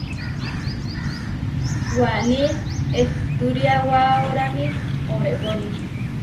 Waní ehturiawaoráni obregoni.